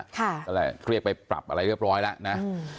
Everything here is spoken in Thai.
คลียกไปปรับอะไรเรียบร้อยแล้ว